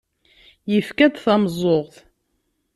Yefka-d tameẓẓuɣt.